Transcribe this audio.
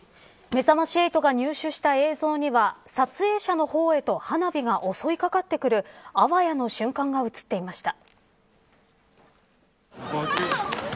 めざまし８が入手した映像には撮影者の方へと花火が襲い掛かってくるあわやの瞬間が映っていました。